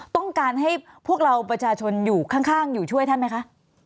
ต้องการให้พวกเราประชาชนอยู่ข้างอยู่ช่วยท่านไหมคะ